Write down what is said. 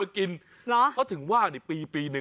สุดยอดน้ำมันเครื่องจากญี่ปุ่น